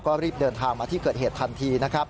ก็รีบเดินทางมาที่เกิดเหตุทันทีนะครับ